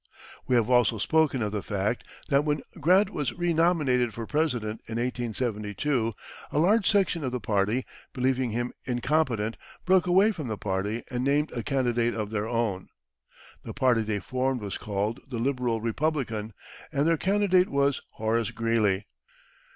We have also spoken of the fact that, when Grant was re nominated for President in 1872, a large section of the party, believing him incompetent, broke away from the party and named a candidate of their own. The party they formed was called the Liberal Republican, and their candidate was Horace Greeley.